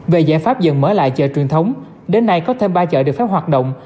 về giải pháp dần mở lại chợ truyền thống đến nay có thêm ba chợ được phép hoạt động